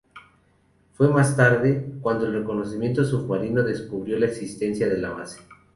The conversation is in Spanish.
Fue más tarde, cuando el reconocimiento submarino descubrió la existencia de la base.